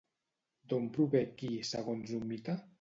D'on prové Ki segons un mite?